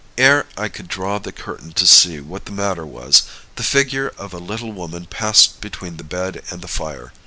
"Ere I could draw the curtain to see what the matter was, the figure of a little woman passed between the bed and the fire.